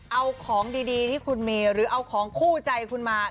เอาของดีที่คุณมีหรือเอาของคู่ใจคุณมา